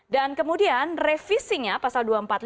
dan kemudian revisinya pasal dua ratus empat puluh lima